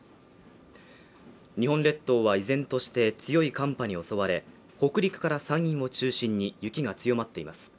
日本列島は依然として強い寒波に襲われ北陸から山陰を中心に雪が強まっています